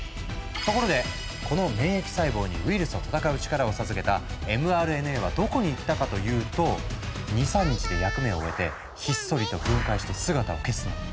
ところでこの免疫細胞にウイルスと戦う力を授けたｍＲＮＡはどこに行ったかというと２３日で役目を終えてひっそりと分解して姿を消すの。